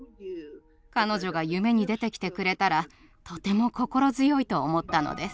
彼女が夢に出てきてくれたらとても心強いと思ったのです。